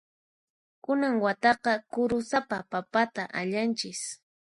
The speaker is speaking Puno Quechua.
Kunan wataqa kurusapa papata allanchis.